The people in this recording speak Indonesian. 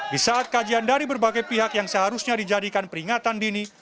di saat kajian dari berbagai pihak yang seharusnya dijadikan peringatan dini